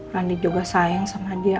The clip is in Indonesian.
randi juga sayang sama dia